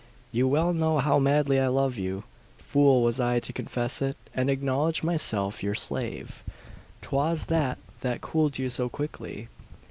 You well know how madly I love you. Fool was I to confess it, and acknowledge myself your slave. 'Twas that that cooled you so quickly."